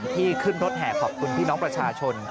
ที่ขึ้นรถแห่ขอบคุณพี่น้องประชาชน